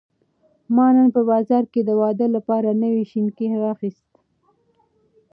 ما نن په بازار کې د واده لپاره نوې شینکۍ واخیستې.